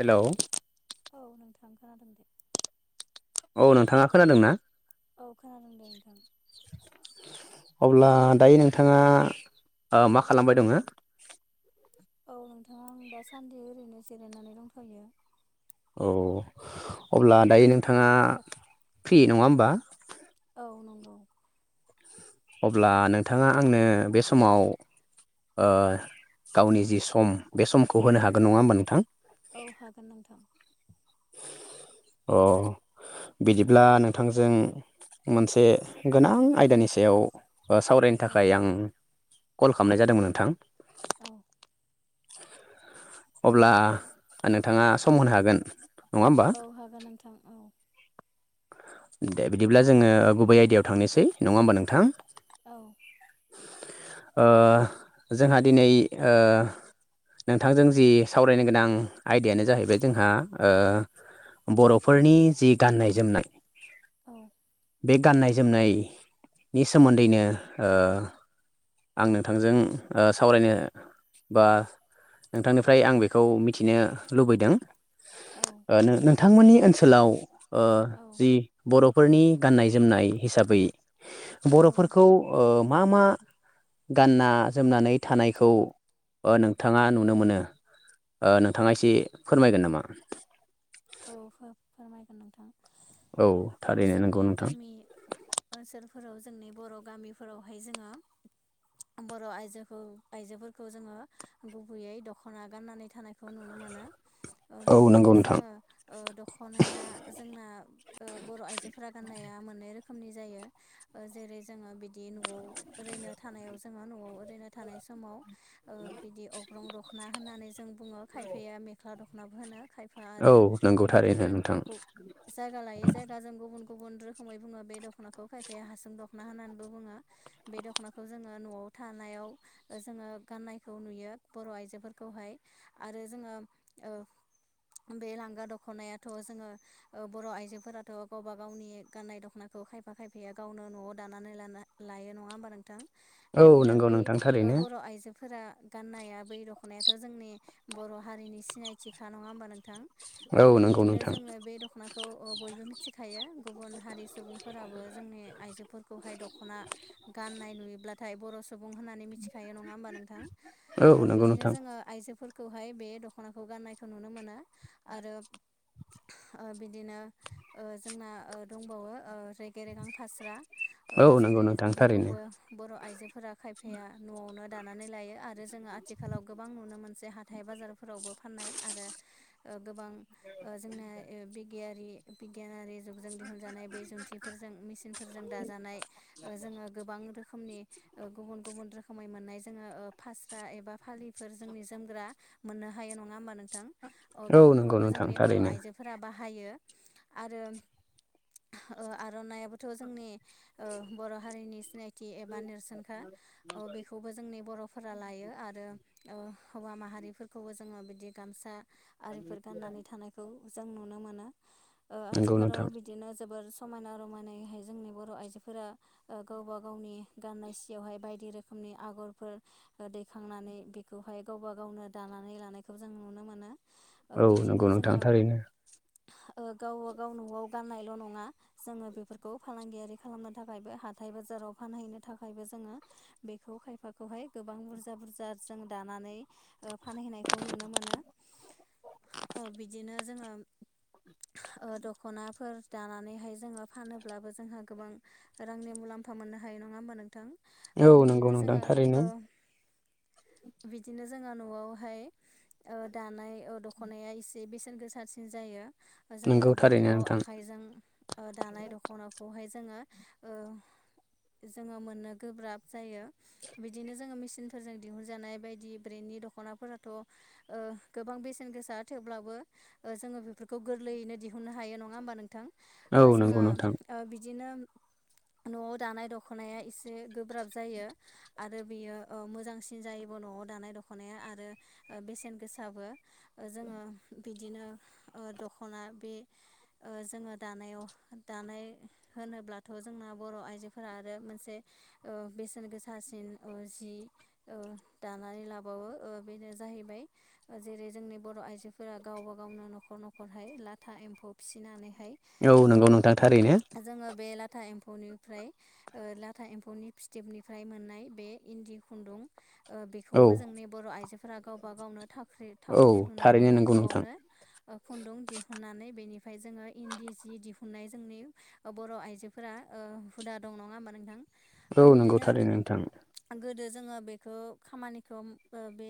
हेल' औ नोंथां खोनादों दे औ नोंथाङा खोनादों ना? औ खोनादों दे नोंथां। अब्ला दायो नोंथाङा ओ मा खालामबाय दङो? औ नोंथां आं दासान्दि ओरैनो जिरायनानै दंथ'यो। औ अब्ला दायो नोंथाङा फ्रि नङा होमबा? औ नंगौ। अब्ला नोंथाङा आंनो बे समाव ओ गावनि जि सम बे समखौ होनो हागोन नङा होमबा नोंथां? औ हागोन नोंथां। अ बिदिब्ला नोंथांजों मोनसे गोनां आयदानि सायाव ओ सावरायनो औ थाखाय आं कल खामनाय जादोंमोन नोंथां। औ। अब्ला नोंथाङा सम होनो हागोन। नङा होमबा औ हागोन नोंथां औ। दे बिदिब्ला जोङो गुबै आयदायाव थांनोसै नङा होमबा नोंथां। औ ओ जोंहा दिनै ओ नोंथांजों जि सावरायनो गोनां आयदायानो जाहैबाय जोंहा ओ बर'फोरनि जि गाननाय जोमनाय औ। बे गाननाय जोमनायनि सोमोन्दैनो ओ आं नोंथांजों ओ सावरायनो बा नोंथांनिफ्राय आं बेखौ मिथिनो लुबैदों। औ। ओ नो नोंथांमोननि ओनसोलाव ओ औ जि बर'फोरनि गाननाय जोमनाय हिसाबै औ बर'फोरखौ ओ मा मा गानना जोमनानै थानायखौ ओ नोंथाङा नुनो मोनो। ओ नोंथाङा एसे फोरमायगोन नामा? औ फो-फोरमायगोन नोंथां औ औ थारैनो नंगौ जोंनि नोंथां गामि ओनसोलफोराव जोंनि बर' गामिफोरावहाय जोङो बर' आइजोखौ आइजोफोरखौ जोङो गुबैयै दख'ना गाननानै थानायखौ नुनो मोनो ओ औ बिदिनो नंगौ नोंथां जोङो ओ दख'नाया जोंना ओ बर' आइजोफोरा गाननाया मोननै रोखोमनि जायो ओ जेरै जोङो बिदि न'आव ओरैनो थानायाव जो जोङो न'आव ओरैनो थानाय समाव ओ बिदि अग्रं दखना होननानै जों बुङो खायफाया मे ख्ला दखनाबो होनो खायफा औ आरो नंगौ थारैनो बिदिनो नोंथां ओगु जायगा लायै जाय दा जों गुबुन गुबुन रोखोमै बुङो बे दख'नाखौ खायफाया हासुं दख'ना होननानैबो बुङो। बे दख'नाखौ जोङो न'आव थानायाव ओ जोङो गाननायखौ नुयो बर' आइजोफोरखौहाय आरो जोङो ओ बे लांगा दख'नायाथ' जोङो ओ बर' आइजोफोराथ' गावबा गावनि गाननाय दखनाखौ खायफा खायफाया गावनो न'आव दानानै लानो लायो नङा होमबा नोंथां औ बिदिनो नंगौ बै नोंथां ओ थारैनो बर' आइजो फोरा गाननाया बै दख'नायाथ' जोंनि बर' हारिनि सिनायथिखा नङा होमबा नोंथां। ओ औ नंगौ बिदिनो नोंथां जोङो बे दख'ना। खौ अ बयबो मिथिखायो गुबुन हारि सुबुंफोराबो जोंनि आइजोफोरखौहाय दख'ना। गाननाय नुयोब्लाथाय बर'सु। सुबुं होननानै मिथिखायो नङा होमबा नोंथां औ अ नंगौ बिदिनो नोंथां जोङो आइजोफोर। खौहाय बे दख'नाखौ गाननायखौ नुनो मोनो आरो। ओ बिदिनो ओ जोंना ओ दंबावो ओ रेगे रेगां फास्रा। ओ औ नंगौ जेरै नोंथां थारैनो बेखौबो। बर' आइजोफोरा खायफाया न'आवनो दानानै लायो आरो जोङो आथिखालाव गोबां नुनो मोनसे हा। हाथाइ बाजारफोरावबो फाननाय आरो ओ गोबां ओ जोंना ओ बिगियारि। बिगियानारि जुगजों दिहुनजानाय बै जुन्थिफोरजों मेसिनफोरजों दाजानाय। ओ जोङो गोबां रोखोमनि ओ गुबुन गुबुन रोखोम। समाय मोननाय जोङो ओ फास्रा एबा फालिफोर जोंनि जोमग्रा मोननो हायो नङा होमबा नों। थां अ औ नंगौ बेफोरखौबो नोंथां जोंनि बर' थारैनो आइजोफोरा बाहायो आरो। अ आर'नाइयाबोथ' जोंनि ओ बर' हारिनि सिनाय। थि एबा नेरसोनखा बेखौबो जोंनि बर'फोरा लायो आरो। ओ हौवा माहारिफोरखौबो जोङो बिदि गामसा आरिफोर गाननानै थानाय। खौ जों नुनो मोनो ओ नंगौ आथिखालाव नोंथां बि। दिनो जोबोर समायना रमायनायैहाय जोंनि बर' आइजोफोरा। ओ गावबा गावनि गाननाय सियावहाय बायदि रोखोमनि आगरफोर। दैखांनानै बेखौहाय गावबा गावनो दानानै लानायखौ जों नुनो मोनो। ओ औ नंगौ बिदिनो नोंथां जोङो थारैनो ओ गावबागाव न'आव गाननायल' नङा। जोङो बेफोरखौ फालांगियारि खालामनो थाखायबो हाथाय बाजाराव फानहैनो थाखायबो जोङो। बेखौ खायफाखौहाय गोबां बुरजा बुरजा जों दानानै। ओ फानहैनायखौ नुनो मोनो ओ बिदिनो जोङो। ओ दख'नाफोर दानानैहाय जोङो फानोब्लाबो जोंहा गोबां। रांनि मुलाम्फा मोननो हायो नङा होमबा नोंथां औ ओ नंगौ बिदिनो नोंथां जोङो थारैनो ओ। बिदिनो जोंङो न आवहाय ओ दानाय ओ। दख'नाया एसे बेसेन गोसासिन जायो जोङो नंगौ बे थारैनो न'आव नोंथां आखाइजों। दानाय दख'नाखौहाय जोङो ओ। जोङो मोननो गोब्राब जायो बिदिनो जोङो मेसिन। फोरजों दिहुनजानाय बायदि ब्रेन्दनि दख'नाफोराथ' ओ गोबां बेसे। गोसा थेवब्लाबो जोङो बेफोरखौ गोरलैयैनो दिहुननो हायो नङा होमबा नोंथां? औ ओ नंगौ जोंहा नोंथां ओ बिदिनो। न'आव दानाय दख'नाया एसे गोब्राब जायो। आरो बेयो ओ मोजांसिन जायोबो न'आव दानाय दख'नाया आरो ओ बेसेन गोसाबो। ओ जोङो बिदिनो ओ दख'ना बे। ओ जोङो दानायाव दानाय। होनोब्लाथ' जोंना बर' आइजोफोरा आरो मोनसे। ओ बेसेन गोसासिन ओ जि। ओ दानानै लाबावो ओ बेनो जाहैबाय। जेरै जोंनि बर' आइजोफोरा गावबा गावनो न'खर न'खरहाय लाथा एम्फौ फिसिनानैहाय। औ नंगौ नोंथां थारैनो ओ जोङो बे लाथा एम। फौनिफ्राय ओ लाथा एम्फौनि फिथोबनिफ्राय मोननाय बे इन्दि खुन्दुं। ओ औ बेखौबो जोंनि आइजोफोरा गावबा गावनो थावख्रि औ थावख्रि थारैनो लुनानैहाय नंगौ नोंथां न'आवनो। खुन्दुं दिहुननानै बेनिफ्राय जोङो इन्दि सि दिहुननाय जोंनि। बर' आइजोफोरा ओ हुदा दं नङा होमबा नोंथां? ओ औ नंगौ बिदिनो थारैनो नोंथां गोदो जोङो बेखौ खामानिखौ मो बे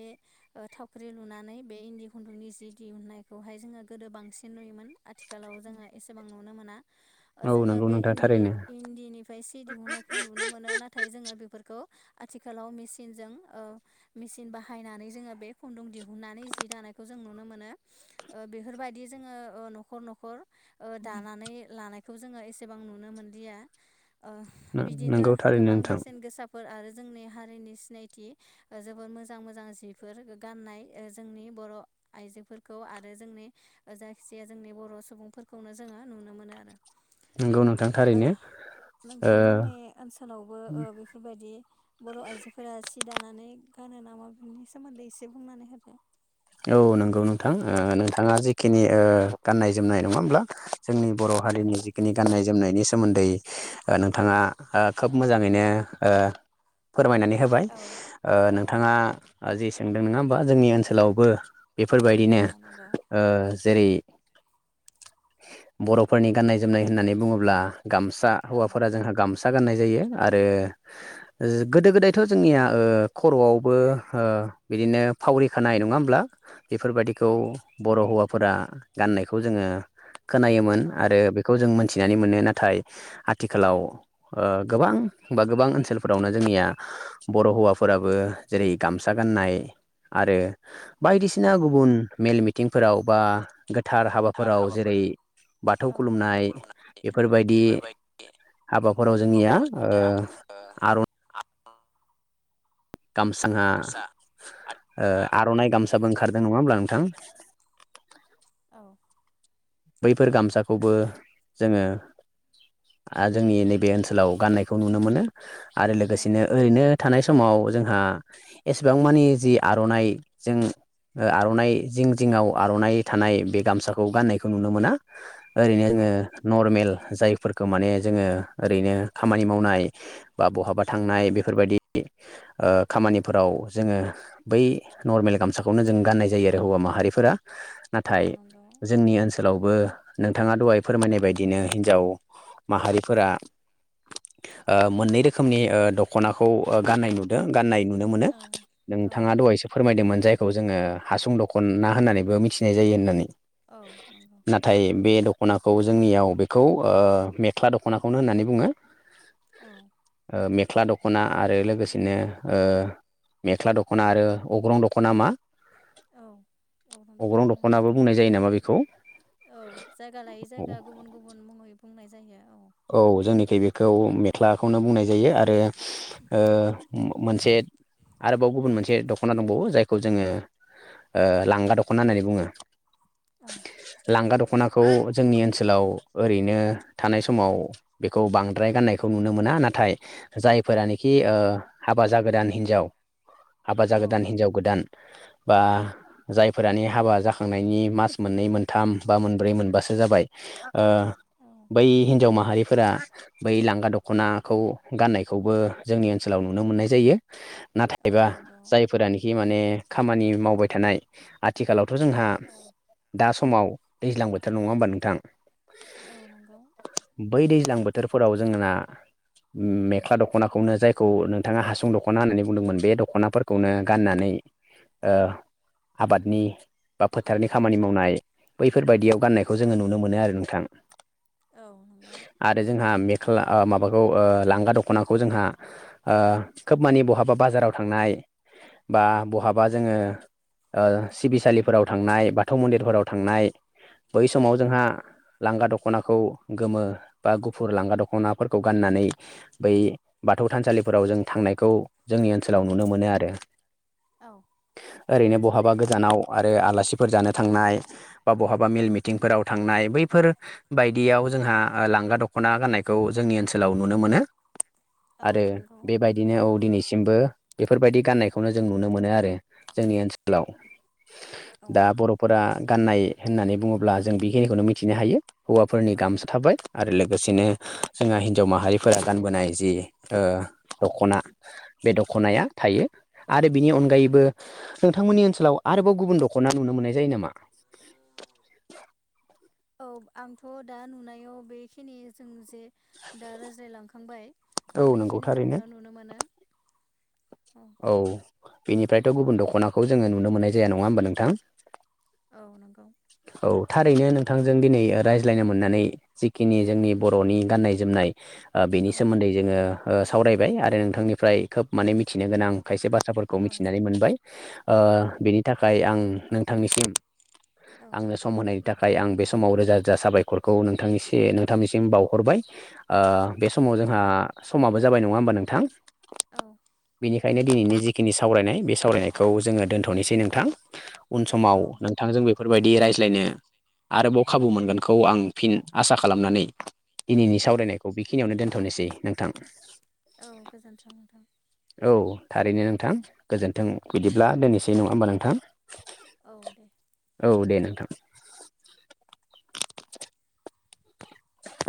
थाव ख्रि लुनानै बे इन्दि खुन्दुंनि जि दिहुनायखौहाय जोङो गोदो बांसिन नुयोमोन आथिखालाव जोङो एसेबां नुनो मोना [inaudible] ओ जोङो बे नोंथां इन्दि थारैनो इन्दिनि फाय सि दिहुननायखौ नुनो मोनो नाथाय जोङो बेफोरखौ आथिखालाव मेसिनजों ओ मेसिन बाहायनानै जोङो बे खुन्दुं दिहुननानै जि दानायखौ जों नुनो मोनो। ओ बेफोरबायदि जोङो ओ न'खर न'खर ओ दानानै लानायखौ जोङो एसेबां नुनो मोनदिया। ओ बिदिनो नंगौ थारैनो गोबां नोंथां बेसेन गोसा फोर आरो जोंनि हारिनि सिनायथि जोबोर मोजां मोजां जिफोर गाननाय ओ जोंनि बर' आइजोफोरखौ आरो जोंनि ओ जायखि जाया जोंनि बर' सुबुंफोरखौनो जोङो नुनो मोनो आरो। नंगौ नोंथां ओ थारैनो ओ नोंथांमोननि ओनसोलावबो ओ बे फोरबायदि बर' आइजोफोरा सि दानानै गानो नामा बेनि सोमोन्दै दे बुंनानै होदो। औ नंगौ नोंथां ओ नोंथाङा जेखि खिनि ओ गाननाय जोमनाय नङा होमब्ला जोंनि बर' हारिनि जिखिनि गाननाय जोमनायनि सोमोन्दै ओ नोंथाङा ओ खोब मोजाङैनो ओ फोरमायनानै होबाय औ ओ औ नोंथाङा ओ जि सोंदों नोंथङा होमबा जोंनि ओनसोलावबो औ बेफोरबायदिनो नंगौ ओ जेरै बर'फोरनि गाननाय जोमनाय होननानै बुङोब्ला गामसा औ हौवाफोरा जोंहा गामसा गाननाय जायो आरो ओ गोदो गोदायथ' जोंनिया ओ खर'आवबो ओ बिदिनो फावरिखानाय नङा होम ब्ला बेफोरबायदिखौ औ बर' हौवाफोरा गाननायखौ जोङो खोनायोमोन औ आरो बेखौ जों मोनथिनानै मोनो नाथाय आथिखालाव ओ गोबां बा गोबां ओनसोलफोरावनो जोंनिया ब'र हौवाफोराबो जेरै गामसा गाननाय आरो बायदिसिना औ गुबुन मेल मिथिंफोराव बा गोथार थार हाबाफोराव हाबाफोर जेरै बाथौ खुलुमनाय बेफोरबायदि बेफोरबायदि हाबाफोराव जोंनिया ओ आर गामसांआ गामसा आथिखालाव ओ जोंहा आर'नाइ गामसाबो ओंखारदों नङा होमब्ला नोंथां? औ। बैफोर गामसाखौबो जोङो आ जोंनि नैबे ओनसोलाव गाननायखौ नुनो मोनो आरो औ लोगोसेनो ओरैनो थानाय समाव जोंहा एसेबां मानि जि आर'नाइ जों ओ आर'नाइ जिं जिङाव आर'नाइ थानाय बे गामसाखौ गानो खौ नुनो मोना ओरैनो औ जोङो नर्मेल जायफोरखौ माने जोङो ओरैनो खामानि मावनाय बा बहाबा थांनाय बेफोरबायदि ओ खामानिफोराव जोङो बै नर्मेल गामसाखौनो जों गाननाय जायो आरो हौवा माहारिफोरा। औ नाथाय नंगौ जोंनि ओनसो लावबो नोंथाङा दहाय फोरमायनाय बायदिनो हिनजाव माहारिफोरा ओ मोननै रोखोमनि ओ दख'नाखौ ओ गाननाय नु ओ गाननाय नुनो मोनो औ नोंथाङा औ दहायसो फोरमायदोंमोन जायखौ जोङो हासुं दखनना होननानैबो मिथिनाय जायो होननानै। औ नोंगौ नाथाय बे दख'नाखौ जोंनियाव बेखौ ओ मेख्ला दख'नाखौनो होननानै बुङो। औ ओ मेख्ला दख'ना आरो लोगोसेनो ओ मेख्ला दख'ना आरो अग्रं दख'ना मा औ औ नंगौ अग्रं खोनाबाय आं दख'नाबो बुंनाय जायो नामा बेखौ? औ जायगा लायै जायगा गुबुन गुबुन मुङै बुंनाय जायो औ। औ जोंनिखै बेखौ मेख्लाखौनो बुंनाय जायो आरो ओ ओम मोनसे आरोबाव गुबुन मोनसे दख'ना दंबावो जायखौ जोङो ओ लांगा दख'ना होननानै बुङो। लांगा दख'नाखौ जोंनि ओनसोलाव ओरैनो थानाय सम समाव बेखौ बांद्राय गाननायखौ नुनो मोना नाथाय जायफोरानोखि ओ हाबा जागोदान हिन्जाव हाबा औ जागोदान हिनजाव गोदान बा जायफोरानि हाबा जाखांनायनि मास मोननै मोनथाम बा मोनब्रै मोनबासो जाबाय ओ औ बै हिन्जाव माहारिफोरा बै लांगा दख'नाखौ गाननायखौबो जोंनि ओनसोलाव नुनो मोननाय जायो। औ नाथायबा नंगौ जायफोरानोखि माने खामानि मावबाय थानाय आथिखालावथ' जोंहा औ दा समाव दैज्लां बोथोर नङा होमबा नोंथां? औ‌ नंगौ। बै दैज्लां बोथोर‌ फोराव जोंना मेख्ला दख'नाखौनो जायखौ नोंथाङा हासुं दख'ना होननानै बुंदोंमोन बे दख'नाफोरखौनो गाननानै ओ आबादनि बा फोथारनि खामानि मावनाय बैफोरबायायदियाव गाननायखौ जोङो नुनो मोनो आरो नोंथां। औ नंगौ। आरो जोंहा मेख्ला आ माबाखौ ओ लांगा दख'नाखौ जोंहा ओ खोब माने बहाबा बाजाराव थांनाय बा बहाबा जोङो ओ सिबिसालिफोराव थांनाय बाथौ मन्दिरफोराव थांनाय बै समाव जोंहा लांगा दख'नाखौ गोमो बा गुफुर लांगा दख'ना फोरखौ गाननानै बै बाथौ थानसालिफोराव जों थांनायखौ जोंनि ओनसोलाव नुनो मोनो आरो। औ ओरैनो बहाबा गोजानाव आरो आलासिफोर जानो थांनाय बा बहाबा मेल मिटिंफोराव थांनाय बैफोर बायदियाव जोंहा लांगा दख'ना गाननायखौ जोंनि ओनसोलाव नुनो मोनो। औ आरो नंगौ बेबायदिनो औ दिनैसिमबो बेफोरबायदि गाननायखौनो जों नुनो मोनो आरो जोंनि ओनसोलाव औ दा बर' फोरा गान्नाय होननानै बुङोब्ला जों बेखिनिखौनो मिथिनो हायो हौवाफोरनि औ गामस बाय आरो लोगोसेनो जोंहा हिन्जाव माहारिफोरा गानबोनाय जि ओ दख'ना बे औ दख'नाया थायो आरो बिनि अनगायैबो नोंथांमोननि ओनसोलाव आरोबाव गुबुन दख'ना नुनो मोननाय जायो नामा? औ आंथ' दा नुनायाव बेखिनि जों जे दा रायज्लायलांखांबाय औ नंगौ थारैनो बेखिनिखौनो नुनो मोनो। अ औ बेनिफ्रायथ' गुबुन दख'नाखौ जोङो नुनो मोननाय जाया नङा होमबा नोंथां। औ नंगौ औ थारैनो नोंथांजों दिनै रायज्लायनो मोननानै जिखिनि जोंनि बर'नि गाननाय जोमनाय ओ बेनि औ सोमोन्दै जोङो सावरायबाय आरो नोंथांनिफ्राय खोब माने मिथिनो गोनां खायसे बाथ्राफोरखौ औ मिथिनानै मोनबाय ओ औ बेनि थाखाय आं नोंथांनिसिम औ आंनो स सम होनायनि थाखाय आं बे समाव रोजा रोजा साबायखरखौ नोंथांनि से नोंथांनिसिम बावहरबाय। ओ बे समाव औ जोंहा समाबो जाबाय नङा होमबा नोंथां। औ बेनिखायनो दिनैनि जिखिनि सावरायनाय बे सावरायनायखौ जोङो दोनथ'नोसै नोंथां। उन समाव औ नोंथां जों बेफ फोरबायदि रायज्लायनो आरोबाव खाबु मोनगोनखौ आं फिन आसा खालामनानै दिनैनि औ सावरायनायखौ बेखिनियावनो दोनथ'नोसै नोंथां। औ गोजोनथों नोंथां। औ थारैनो नोंथां गोजोन्थों बिदिब्ला दोनैसै नङा होमबा नोंथां। औ दे। औ दे नोंथां।